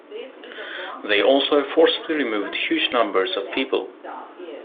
They also forcibly removed huge numbers of people.